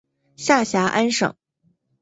下辖安省。